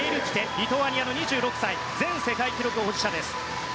リトアニアの２６歳前世界記録保持者。